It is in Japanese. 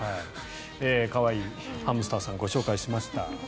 可愛いハムスターさんご紹介しました。